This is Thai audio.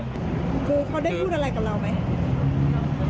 ครูเขาได้พูดอะไรกับเราไหม